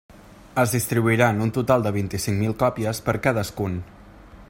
Es distribuiran un total de vint-i-cinc mil còpies per cadascun.